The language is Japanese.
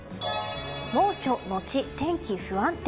猛暑のち、天気不安定。